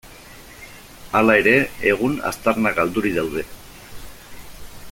Hala ere, egun aztarnak galdurik daude.